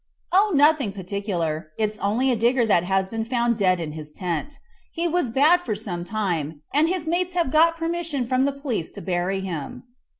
"Oh, nothing particular it's only a digger that has been found dead in his tent. He was bad for some time, and his mates have got permission from the police to bury him."